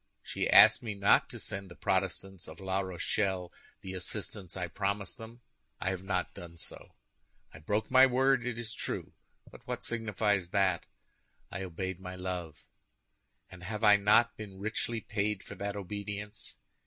She asked me not to send the Protestants of La Rochelle the assistance I promised them; I have not done so. I broke my word, it is true; but what signifies that? I obeyed my love; and have I not been richly paid for that obedience?